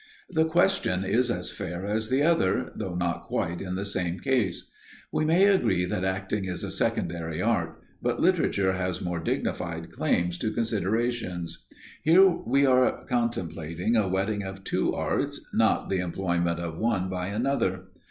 The question is as fair as the other, though not quite in the same case. We may agree that acting is a secondary art, but literature has more dignified claims to considerations. Here we are contemplating a wedding of two arts, not the employment of one by another.